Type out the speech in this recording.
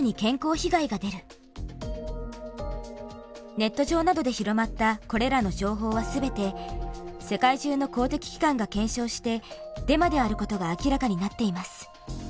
ネット上などで広まったこれらの情報は全て世界中の公的機関が検証してデマであることが明らかになっています。